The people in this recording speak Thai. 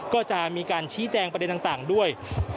ก็จะมีการชี้แจงประเด็นต่างด้วย